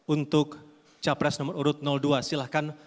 untuk capres nomor urut dua silahkan